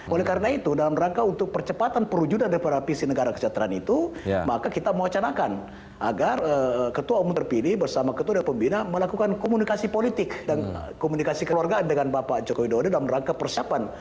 oleh karena itu dalam rangka untuk percepatan perwujudan daripada visi negara kesejahteraan itu maka kita mewacanakan agar ketua umum terpilih bersama ketua dan pembina melakukan komunikasi politik dan komunikasi keluarga dengan bapak jokowi dodo dalam rangka persiapan